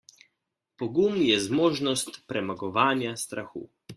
Pogum je zmožnost premagovanja strahu.